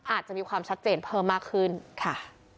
อาจจะมีความชัดเจนเพิ่มมากขึ้นค่ะ